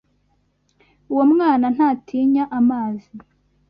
Uwo mwana ntatinya amazi.